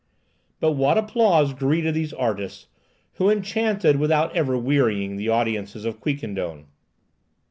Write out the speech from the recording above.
But what applause greeted these artists, who enchanted without ever wearying the audiences of Quiquendone!